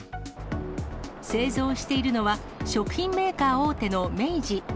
製造しているのは、食品メーカー大手の明治。